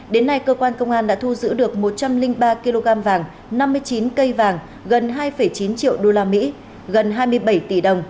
đến nay cơ quan công an đã thu giữ được một trăm linh ba kg vàng năm mươi chín cây vàng gần hai chín triệu usd gần hai mươi bảy tỷ đồng